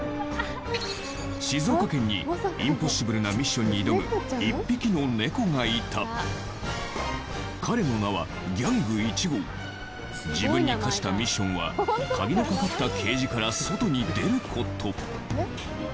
静岡県にインポッシブルなミッションに挑む１匹の猫がいた彼の名はギャング１号自分に課したミッションはでも頭が行けてる！